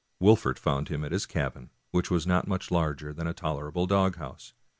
Wolfert found him at his cabin, which was not much larger than a tolerable dog house.